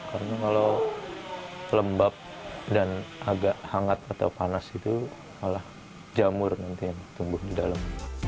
karena kalau lembab dan agak hangat atau panas itu malah jamur nanti yang tumbuh di dalam